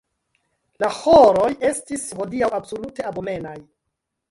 La ĥoroj estis hodiaŭ absolute abomenaj.